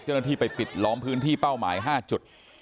เจ้าหน้าที่ไปปิดล้อมพื้นที่เป้าหมาย๕จุด